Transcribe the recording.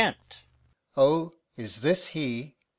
O, is this he?